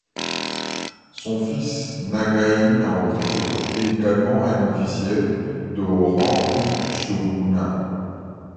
Son fils Nagai Naohiro est également un officiel de haut rang du shogunat.